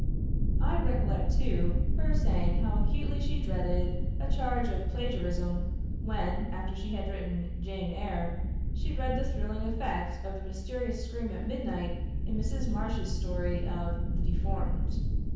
I recollect, too, her saying how acutely she dreaded a charge of plagiarism, when, after she had written "Jane Eyre;" she read the thrilling effect of the mysterious scream at midnight in Mrs. Marsh's story of the "Deformed."